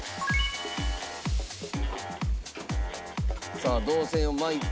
さあ銅線を巻いて。